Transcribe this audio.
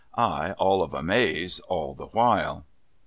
I, all of a maze all the while.